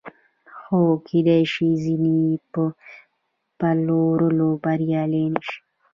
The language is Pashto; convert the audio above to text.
خو کېدای شي ځینې یې په پلورلو بریالي نشي